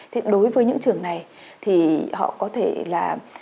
thì đối với những trường này thì họ có thể là